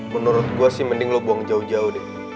menurut gue sih mending lo buang jauh jauh deh